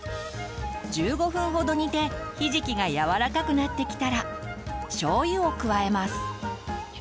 １５分ほど煮てひじきが柔らかくなってきたらしょうゆを加えます。